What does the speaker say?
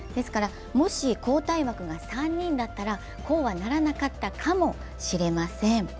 もし交代枠が３人だったらこうはならなかったかもしれません。